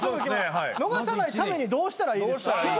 逃さないためにどうしたらいいですか？